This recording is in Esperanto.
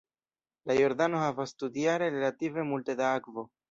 La Jordano havas tutjare relative multe da akvo.